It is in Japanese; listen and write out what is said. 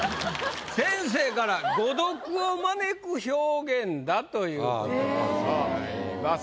先生から「誤読を招く表現」だということでございます。